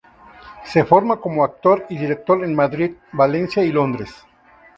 Se forma como actor y director en Madrid, Valencia y Londres.